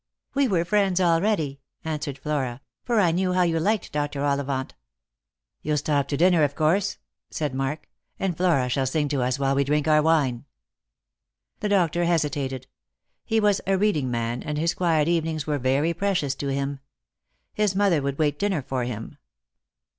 " "We were friends already," answered Flora; "for I knew how you liked Dr. Ollivant." " You'll stop to dinner, of course ?" said Mark ;" and Flora shall sing to us while we drink our wine." The doctor hesitated. He was a reading man, and his quiet evenings were very precious to him. His mother would wait dinner for him.